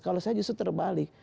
kalau saya justru terbalik